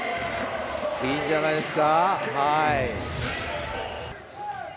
いいんじゃないですか。